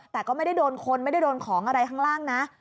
แต่ก็ไม่ได้โดนคนไม่ได้โดนของอะไรข้างล่างนะ